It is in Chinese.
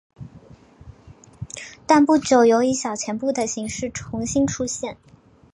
但不久有以小钱铺的形式重新出现。